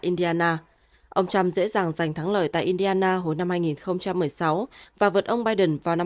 indiana ông trump dễ dàng giành thắng lợi tại indiana hồi năm hai nghìn một mươi sáu và vượt ông biden vào năm